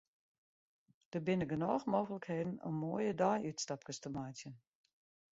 Der binne genôch mooglikheden om moaie deiútstapkes te meitsjen.